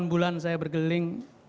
delapan bulan saya bergeling